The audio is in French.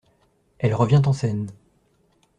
Elle revient en scène.